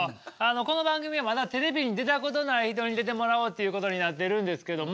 この番組はまだテレビに出たことない人に出てもらおうっていうことになってるんですけども。